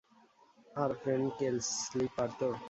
আর Fred Kesley পারত?